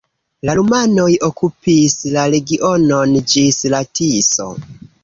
La rumanoj okupis la regionon ĝis la Tiso.